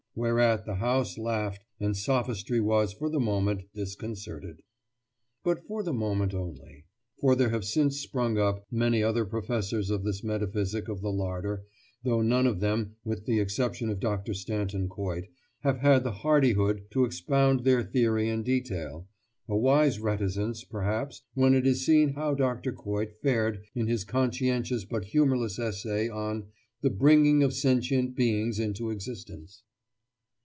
Whereat the House laughed, and sophistry was for the moment disconcerted. But for the moment only; for there have since sprung up many other professors of this metaphysic of the larder, though none of them, with the exception of Dr. Stanton Coit, have had the hardihood to expound their theory in detail—a wise reticence, perhaps, when it is seen how Dr. Coit fared in his conscientious but humourless essay on "The Bringing of Sentient Beings into Existence."